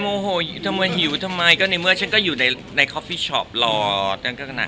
โอ้ยตายแล้วก็จะใส่หน้ากากอยู่ด้วย